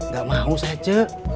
gak mau saya ceh